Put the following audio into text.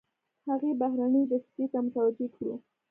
هغې بهرنۍ دسیسې ته متوجه کړو.